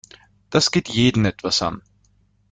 Das geht jeden etwas an.